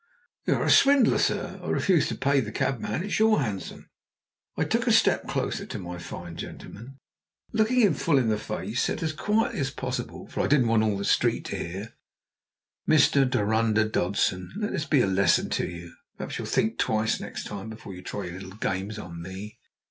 "You are a swindler, sir. I refuse to pay the cabman. It is your hansom." I took a step closer to my fine gentleman, and, looking him full in the face, said as quietly as possible, for I didn't want all the street to hear: "Mr. Dorunda Dodson, let this be a lesson to you. Perhaps you'll think twice next time before you try your little games on me!"